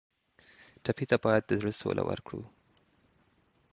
ټپي ته باید د زړه سوله ورکړو.